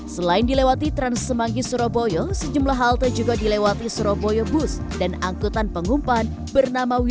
selain dilewati trans semanggi surabaya sejumlah halte juga dilewati surabaya bus dan angkutan pengumpan bernama wijaya